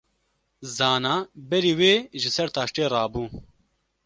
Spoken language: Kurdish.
Zana berî wê ji ser taştê rabû.